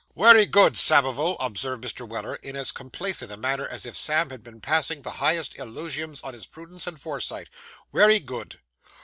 'Wery good, Samivel,' observed Mr. Weller, in as complacent a manner as if Sam had been passing the highest eulogiums on his prudence and foresight. 'Wery good.